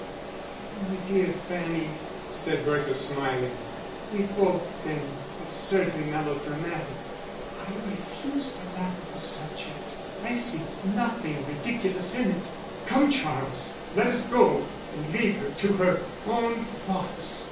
"My dear Fanny," said Bertha, smiling, "we've both been absurdly melodramatic." "I refuse to laugh at the subject. I see nothing ridiculous in it. Come, Charles, let us go, and leave her to her own thoughts."